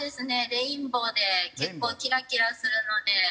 レインボーで結構キラキラするので。